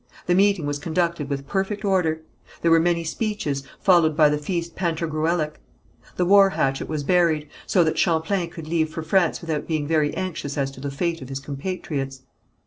The meeting was conducted with perfect order. There were many speeches, followed by the feast pantagruelic. The war hatchet was buried, so that Champlain could leave for France without being very anxious as to the fate of his compatriots.